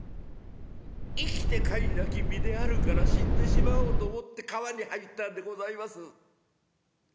生きてかいなき身であるから死んでしまおうと思って川に入ったんでございます」。